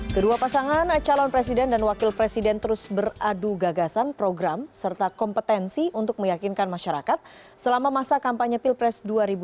kedua pasangan calon presiden dan wakil presiden terus beradu gagasan program serta kompetensi untuk meyakinkan masyarakat selama masa kampanye pilpres dua ribu dua puluh